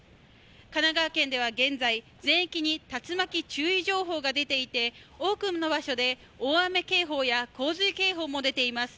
神奈川県では現在、全域に竜巻注意情報が出ていて多くの場所で大雨警報や洪水警報も出ています。